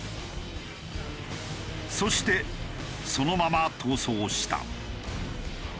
そしてそのまま逃走した。